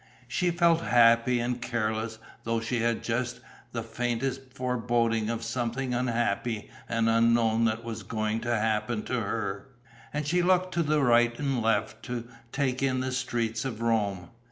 She felt happy and careless, though she had just the faintest foreboding of something unhappy and unknown that was going to happen to her; and she looked to right and left to take in the streets of Rome.